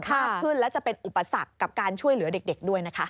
มากขึ้นและจะเป็นอุปสรรคกับการช่วยเหลือเด็กด้วยนะคะ